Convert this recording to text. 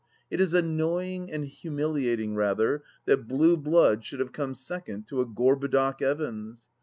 It is annoying and humiliating, rather, that Blue Blood should have come second to a Gorbudoc Evans.